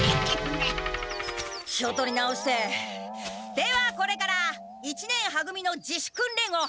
気を取り直してではこれから一年は組の自主訓練を始めます！